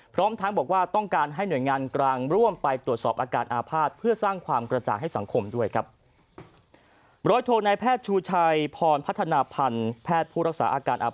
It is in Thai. พร้อมทั้งบอกว่าต้องการให้หน่วยงานกลางร่วมไปตรวจสอบอาการอาภาษณ์